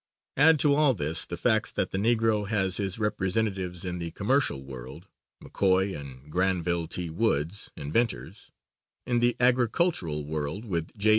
Add to all this the facts that the Negro has his representatives in the commercial world: McCoy and Granville T. Woods, inventors; in the agricultural world with J.